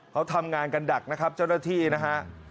เขาทำงานกันดักนะครับเจ้าหน้าที่นะฮะ